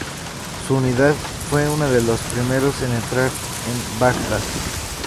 Su unidad fue una de los primeros en entrar en Bagdad.